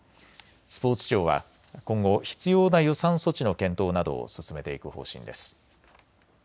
スポーツ庁は今後、必要な予算措置の検討などを進めていく方針です。